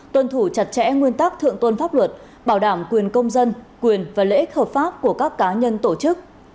tuân thủ chặt chẽ nguyên tắc thượng tuân pháp luật bảo đảm quyền công dân quyền và lễ hợp pháp của các cá nhân tổ chức